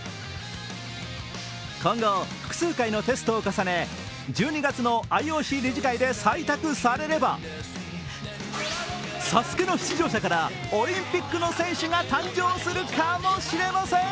今後、複数回のテストを重ね１２月のＩＯＣ理事会で採択されれば「ＳＡＳＵＫＥ」の出場者からオリンピックの選手が誕生するかもしれません。